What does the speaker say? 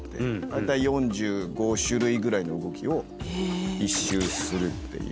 だいたい４５種類ぐらいの動きを１周するっていうのをやって。